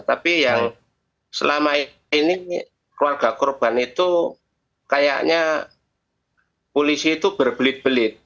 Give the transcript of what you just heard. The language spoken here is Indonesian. tapi yang selama ini keluarga korban itu kayaknya polisi itu berbelit belit